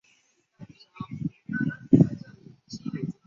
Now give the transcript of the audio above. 西克斯威是一个位于美国阿拉巴马州摩根县的非建制地区。